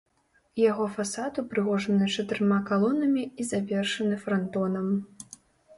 Яго фасад упрыгожаны чатырма калонамі і завершаны франтонам.